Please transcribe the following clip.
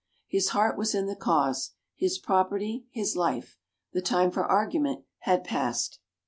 His heart was in the cause his property, his life. The time for argument had passed.